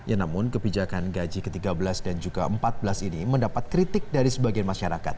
ya namun kebijakan gaji ke tiga belas dan juga ke empat belas ini mendapat kritik dari sebagian masyarakat